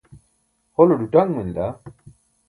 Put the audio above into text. hole ḍuṭaṅ manila